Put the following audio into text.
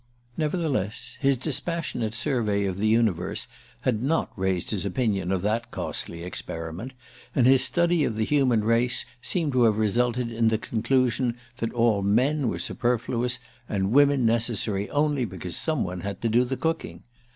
Nevertheless, his dispassionate survey of the universe had not raised his opinion of that costly experiment, and his study of the human race seemed to have resulted in the conclusion that all men were superfluous, and women necessary only because some one had to do the cooking.